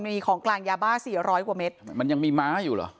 มีของกลางยาบ้าสี่ร้อยกว่าเม็ดมันยังมีม้าอยู่เหรอ